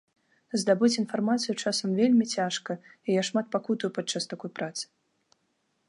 Здабыць інфармацыю часам вельмі цяжка, і я шмат пакутую падчас такой працы.